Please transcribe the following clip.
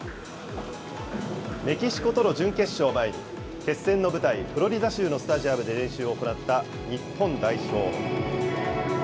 メキシコとの準決勝を前に、決戦の舞台、フロリダ州のスタジアムで練習を行った日本代表。